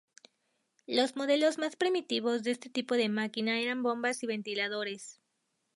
Los modelos más primitivos de este tipo de máquina eran bombas y ventiladores.